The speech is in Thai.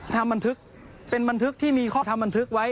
ทำบันทึกเป็นบันทึกที่มีข้อทำบันทึกไว้